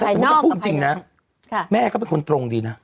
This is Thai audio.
แต่อย่างที่มิ้นว่าพูดจริงนะแม่ก็เป็นคนตรงดีนะ